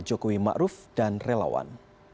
jokowi ma'ruf dan relawan